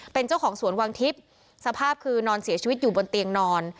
เป็นเจ้าของสวนวังทิพย์สภาพคือนอนเสียชีวิตอยู่บนเตียงนอน